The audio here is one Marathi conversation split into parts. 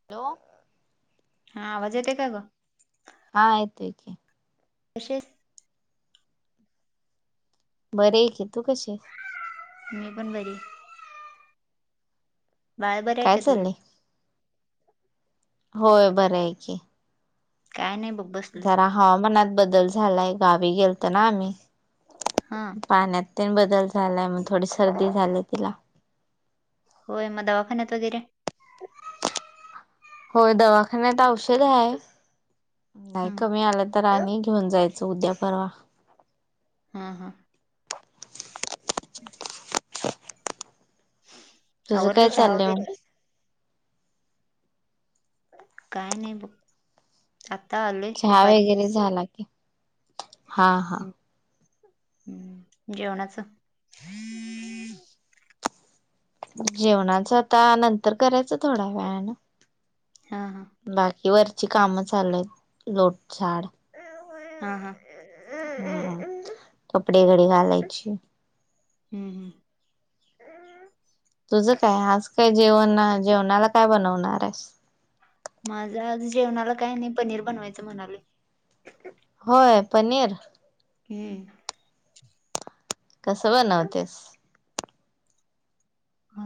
[unintelligible] [inaudible] हॅलो हा आवाज येते का ग? हा येतंय की. कशी आहेस. बरी आहे की, तू कशीय? मी पण बरीय. बाळ बरं आहे काय का तुझं? चाललेय? होय बरंय की. काय नाही बघ. बसलोय जरा हवामानात बदल झालाय, गावी गेलोतो ना आम्ही. हा. पाण्यात तेन बदल झालाय, मग थोडी सर्दी झालीय तिला. होय मग दवाखान्यात वगैरे? होय दवाखान्यात औषध आहे नाही ह कमी आलं तर आणि घेऊन जायचं उद्या, परवा. हा हा. [inaudible] तुझं आवरलं काय चहा चाललंय वैगरे? मग काय नाही बघ. आता आलोय. चहा दुपारी वगैरे झाला की, हा हा. हम्म जेवणाचं? जेवणाचं आता नंतर करायचं थोड्या वेळानं. हा हा बाकी वरची काम चालू आहेत लोट झाड. हा हा. कपडे घडी घालायची. हम्म हम्म. तुझं काय? आज काय जेवणा जेवणाला काय बनवणारेस? माझं आज जेवणाला काय नाही पनीर बनवायचं म्हणालो. होय पनीर? हम्म. कसं बनवतेस? अ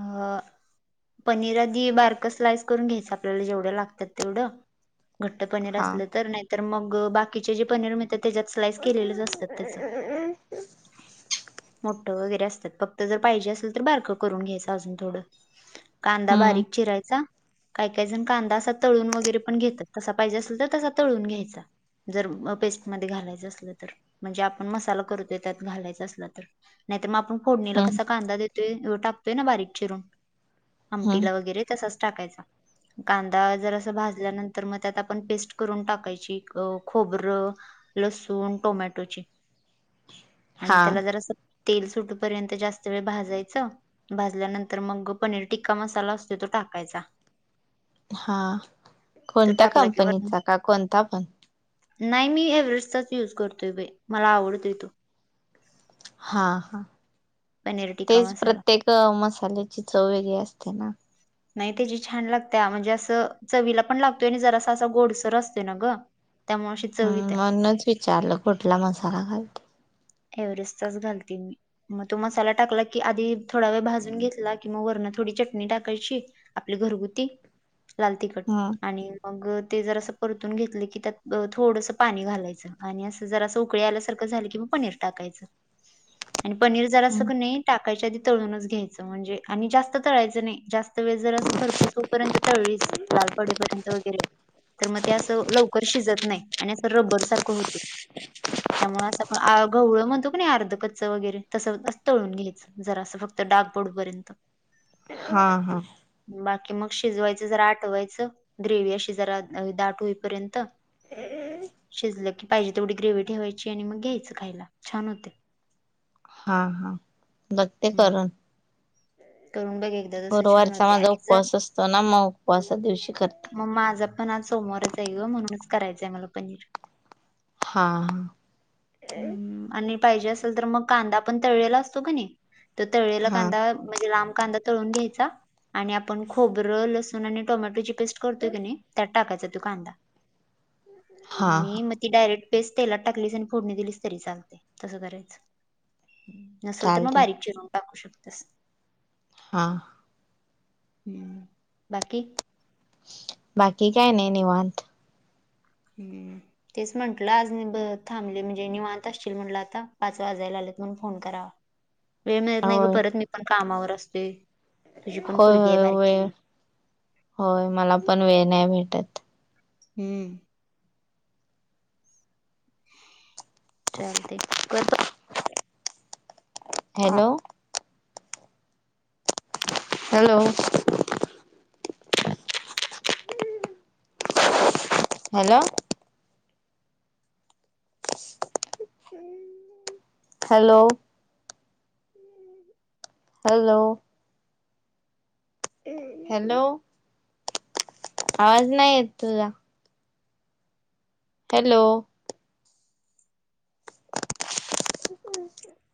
पनीर आधी बारकं स्लाइस करून घ्यायचं, आपल्याला जेवढं लागतात तेवढं. घट्ट पनीर हा असलं तर, नाहीतर मग बाकीचे जे पनीर मिळ तात त्याच्यात स्लाईस केलेलेच असतात त्याचं मो ठं वगैरे असतात, फक्त असेल तर बारिक करून घ्यायचं अजून थोडं. कांदा हम्म बारीक चिरायचा. काही काही जण कांदा असा तळून वगैरे पण घेतात, तसा पाहिजे असेल तर तसा तळून घ्यायचा. जर पेस्टमध्ये घालायचं असलं तर, म्हणजे आपण मसाला करतो त्यात घालायचं असलं तर. नाही तर मग आपण फोडणीला हम्म कसा कांदा देतोय अ टाकतोय ना बारीक चिरून हम्म आमटीला वगैरे तसाचं टाकायचा. कांदा जरासा भाजल्यानंतर मग त्यात आपण पेस्ट करून टाकायची अ खोबरं. लसूण, टोमॅटोची. आणि हा त्याला जरासं तेल सुटूपर्यंत जास्त वेळ भाजायचं. भाजल्यानंतर मग पनीर टिक्का मसाला असतो तो टाकायचा. हा तो कोणत्या टाकला की वरून कंपनीचा का कोणता पण? नाही, मी एव्हरेस्टचाच यूज करतोय बाई मला आवडतोय तो हा हा पनीर टिक्का तेच मसाला. प्रत्येक मसाल्याची चव वेगळी असते ना नाही त्याची छान लागते म्हणजे असं चवीला पण लागतोय आणि जरासा असा गोडसर असतो ना ग हम्म म्हणूनच विचारलं कुठला मसाला घालत्या. एव्हरेस्टचाच घालते मी म तो मसाला टाकला की आधी थोडा वेळ भाजून घेतला की वरण थोडी चटणी टाकायची. आपली घरगुती लाल तिखट हम्म आणि मग ते जर असं परतून घेतलं की त्यात थोडंसं पाणी घालायचं. आणि अस जरास उकळी आल्यासारखं झालं कि पनीर टाकायचं आणि पनीर जरास हम्म का नी टाकायच्या आधी तळूनच घ्यायचं म्हणजे आणि जास्त तळायचं नाही जास्त वेळ जर असं घरपूस पर्यंत तळलीस लाल पडेपर्यंत वगैरे तर मग ते असं लवकर शिजत नाही आणि असं रबर सारखं होते. त्यामुळे असं आप गवळं म्हणतो का नी अर्ध कच्च वगैरे तसं तळून घ्यायचं जरासं फक्त डाक पडुपर्यंत [inaudible] हा हा बाकी मग शिजवायचं जरा आटवायचं ग्रेव्ही अशी जरा दाट होईपर्यंत [unintelligible] शिजलं की पाहिजे तेवढी ग्रेव्ही ठेवायची आणि मग घ्यायचं खायला छान होते. हा हा बघते हम्म. करून करून बघ एकदा तसं छान गुरुवारचा होते माझा आणि जर उपवास असतो ना मग उपवासा दिवशी करते. मग माझा पण आज सोमवारच आहे ग म्हणूनच करायचं आहे मला पनीर हां हम्म आणि पाहिजे असेल तर मग कांदा पण तळलेला असतो का नाही तर तळलेला हा कांदा म्हणजे लांब कांदा तळून घ्यायचा आणि आपण खोबर लसुन आणि टोमॅटोची पेस्ट करतोय का नाही त्यात टाकायचा तो कांदा हा हा आणि मग ती डायरेक्ट पेस्ट तेलात टाकलीस आणि फोडणी दिलीस तरी चालते तसं करायच. नसल तर मग चालते बारीक चिरून टाकू शकतेस. हा. हम्म बाकी बाकी काय नाही निवांत [unintelligible] तेच म्हटलं आज मी ब थांबली म्हणजे निवांत असशील म्हटलं आता पाच वाजायला आलेत म्हणून फोन करावा. वेळ मिळत नाही ग होय परत मी पण कामावर असते तुझी पण होय पोरगी ये होय वेळ बारकी होय, मला पण वेळ नाही भेटत. हम्म चालते कर पर hello hello hello hello hello hello आवाज नाही येत तुझा हॅलो [inaudible]